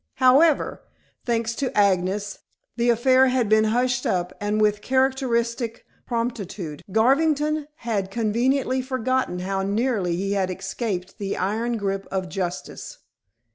However, thanks to Agnes, the affair had been hushed up, and with characteristic promptitude, Garvington had conveniently forgotten how nearly he had escaped the iron grip of Justice.